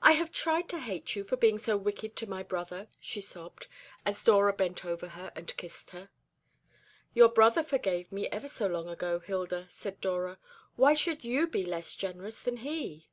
"I have tried to hate you for being so wicked to my brother," she sobbed, as Dora bent over her and kissed her. "Your brother forgave me ever so long ago, Hilda," said Dora. "Why should you be less generous than he?"